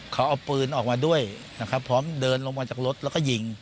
เขาเอาปืนออกมาด้วยนะครับพร้อมเดินลงมาจากรถแล้วก็ยิง